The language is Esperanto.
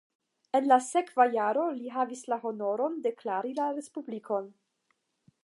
En la sekva jaro li havis la honoron deklari la respublikon.